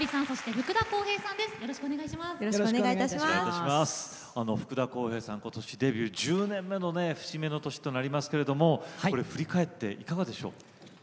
福田こうへいさんことしデビュー１０年目の節目の年となりますけれど振り返っていかがでしょうか。